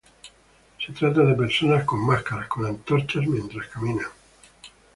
Se trata de personas con máscaras, con antorchas, mientras caminan.